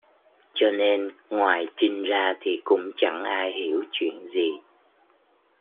cho nên ngoài Trinh ra thì cũng chẳng ai hiểu chuyện gì